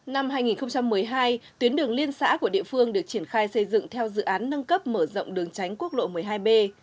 năm hai nghìn một mươi hai tuyến đường liên xã của địa phương được triển khai xây dựng theo dự án nâng cấp mở rộng đường tránh quốc lộ một mươi hai b